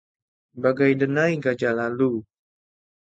Bagai denai gajah lalu